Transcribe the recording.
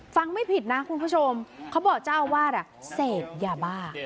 ไม่ผิดนะคุณผู้ชมเขาบอกเจ้าอาวาสเสพยาบ้า